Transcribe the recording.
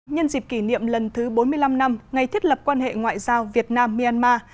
nhân dịp kỷ niệm lần thứ bốn mươi năm năm ngày thiết lập quan hệ ngoại giao việt nam myanmar